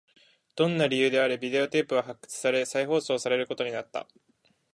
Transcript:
どんな理由であれ、ビデオテープは発掘され、再放送されることになった